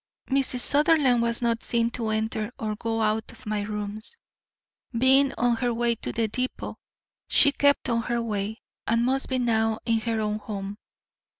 Mrs. Sutherland was not seen to enter or go out of my rooms. Being on her way to the depot, she kept on her way, and must be now in her own home.